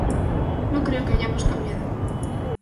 No creo que hayamos cambiado.